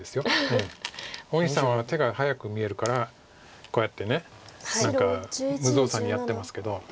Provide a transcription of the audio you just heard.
大西さんは手が早く見えるからこうやって何か無造作にやってますけど。